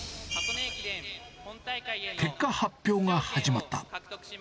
結果発表が始まった。